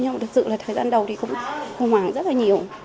nhưng thật sự là thời gian đầu thì cũng hùng hoảng rất là nhiều